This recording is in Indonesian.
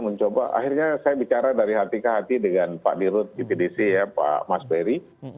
mencoba akhirnya saya bicara dari hati ke hati dengan pak dirut ipdc ya pak mas ferry